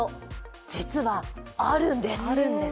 実は、あるんです。